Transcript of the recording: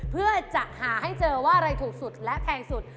เพื่อจะหาให้เจอว่าอะไรถูกสุดและแพงสุด